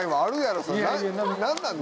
何なん？